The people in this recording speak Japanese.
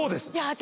私